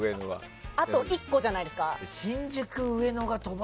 あと１個じゃないですか。